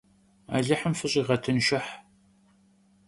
Alıhım fış'iğetınşşıh!